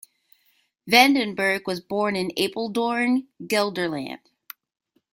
Van den Burg was born in Apeldoorn, Gelderland.